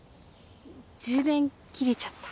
充電切れちゃった。